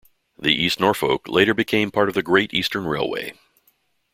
The East Norfolk later became part of the Great Eastern Railway.